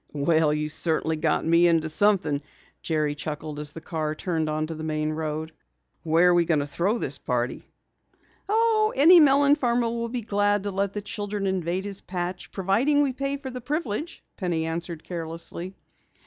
"Well, you certainly got me into something," Jerry chuckled as the car turned into the main road. "Where are we going to throw this party?" "Oh, any melon farmer will be glad to let the children invade his patch, providing we pay for the privilege," Penny answered carelessly.